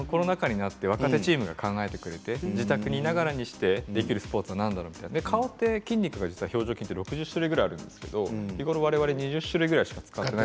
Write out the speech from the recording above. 若手チームが考えてくれて自宅にいながらできるスポーツは何だろうと顔って表情筋が６０種類くらいあるんですけど日頃われわれ２０種類ぐらいしか使っていない。